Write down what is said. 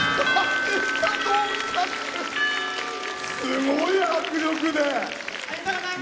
すごい迫力で。